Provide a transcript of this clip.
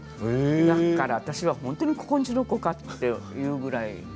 だから私は本当にここのうちの子？というぐらい。